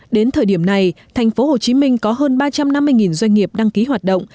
đến thời điểm này thành phố hồ chí minh có hơn ba trăm năm mươi doanh nghiệp đăng ký hoạt động